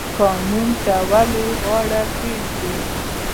قانون ته ولې غاړه کیږدو؟